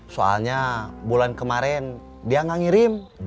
soalnya bulan kemarin dia nggak ngirim